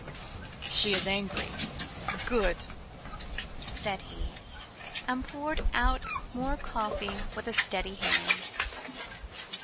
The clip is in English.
"She is angry good!" said he, and poured out more coffee with a steady hand.